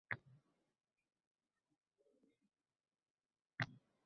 Tartibni buzganlar ziyoratdan mahrum etildi.